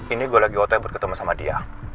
ini gue lagi hotel buat ketemu sama dia